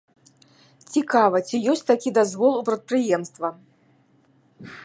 Цікава, ці ёсць такі дазвол у прадпрыемства?